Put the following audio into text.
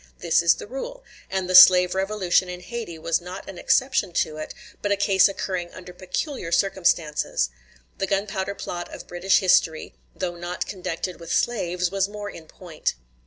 This is the rule; and the slave revolution in Hayti was not an exception to it, but a case occurring under peculiar circumstances. The gunpowder plot of British history, though not connected with slaves, was more in point.